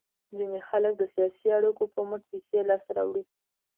ځینې خلک د سیاسي اړیکو په مټ پیسې لاس ته راوړي.